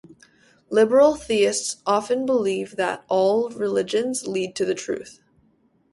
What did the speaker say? Liberal theists often believe that, all religions lead to the truth.